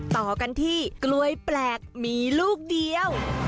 ต่อกันที่กล้วยแปลกมีลูกเดียว